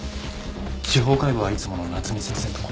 司法解剖はいつもの夏海先生のとこ？